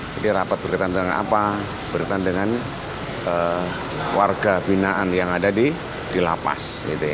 jadi rapat berkaitan dengan apa berkaitan dengan warga binaan yang ada di lapas